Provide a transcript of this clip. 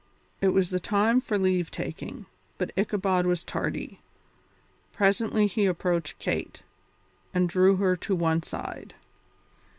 It was the time for leave taking, but Ichabod was tardy. Presently he approached Kate, and drew her to one side.